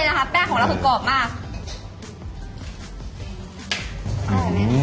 อีกเหรอบอกป่ะ